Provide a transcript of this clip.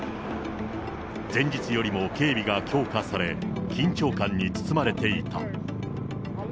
前日よりも警備が強化され、緊張感に包まれていた。